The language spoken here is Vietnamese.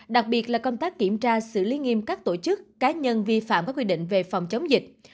đặc biệt là công tác kiểm tra xử lý nghiêm các tổ chức cá nhân vi phạm các quy định về phòng chống dịch